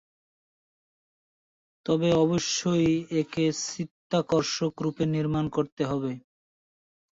তবে অবশ্যই একে "চিত্তাকর্ষক" রূপে নির্মাণ করতে হবে।